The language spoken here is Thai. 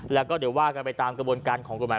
แล้วก็เดี๋ยวว่ากันไปตามกระบวนการของกฎหมาย